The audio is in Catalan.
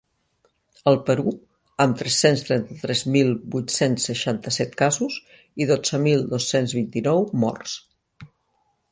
El Perú, amb tres-cents trenta-tres mil vuit-cents seixanta-set casos i dotze mil dos-cents vint-i-nou morts.